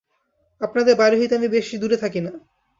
আপনাদের বাড়ি হইতে আমি বেশি দূরে থাকি না।